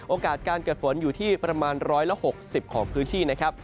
โอกาสการเกิดฝนอยู่ที่ประมาณ๑๖๐ของพื้นที่นะครับ